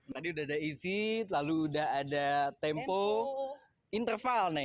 tadi udah ada easy lalu udah ada tempo interval nih